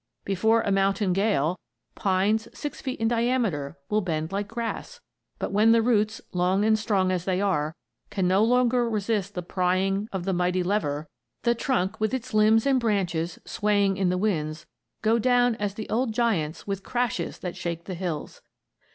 Before a mountain gale, pines, six feet in diameter, will bend like grass. But when the roots, long and strong as they are, can no longer resist the prying of the mighty lever the trunk with its limbs and branches swaying in the winds, down go the old giants with crashes that shake the hills.